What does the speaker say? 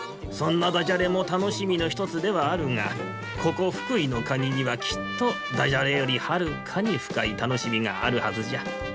そんなダジャレもたのしみのひとつではあるがここ福井のカニにはきっとダジャレよりはるかにふかいたのしみがあるはずじゃ。